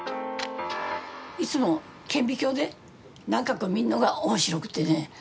いつも顕微鏡で何かこう見るのが面白くてね